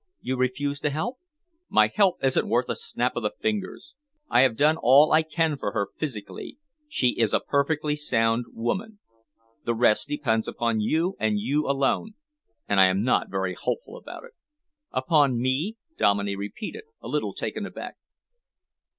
"You refuse to help?" "My help isn't worth a snap of the fingers. I have done all I can for her physically. She is a perfectly sound woman. The rest depends upon you, and you alone, and I am not very hopeful about it." "Upon me?" Dominey repeated, a little taken aback.